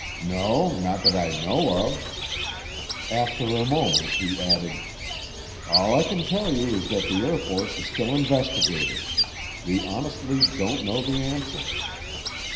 "No, not that I know of." After a moment he added, "All I can tell you is that the Air Force is still investigating. We honestly don't know the answer."